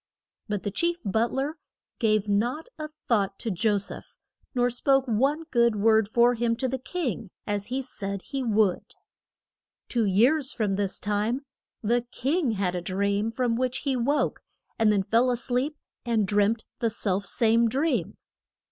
But the chief but ler gave not a thought to Jo seph, nor spoke one good word for him to the king, as he had said he would. Two years from this time the king had a dream, from which he woke, and then fell a sleep and dreamt the self same dream.